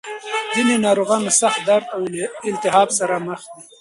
ځینې ناروغان له سخت درد او التهاب سره مخ دي.